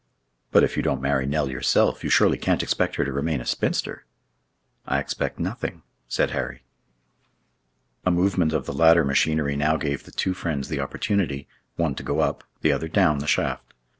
"But if you don't marry Nell yourself, you surely can't expect her to remain a spinster?" "I expect nothing," said Harry. A movement of the ladder machinery now gave the two friends the opportunity—one to go up, the other down the shaft.